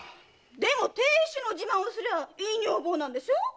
でも亭主の自慢をすればいい女房なんでしょ